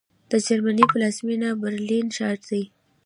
د جرمني پلازمېنه برلین ښار دی